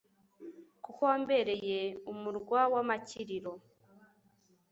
kuko wambereye umurwa w’amakiriro